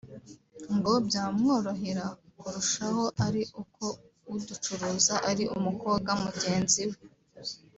ngo byamworohera kurushaho ari uko uducuruza ari umukobwa mugenzi we